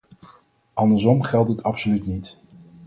Andersom geldt dit absoluut niet.